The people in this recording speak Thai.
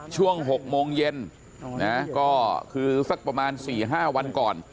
ช่วง๖โมงเย็นนะก็คือสักประมาณ๔๕วันก่อน